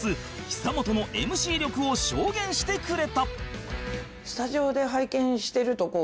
久本の ＭＣ 力を証言してくれた